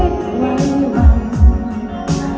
หรือคนรู้จัก